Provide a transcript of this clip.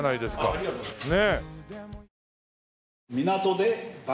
ありがとうございます。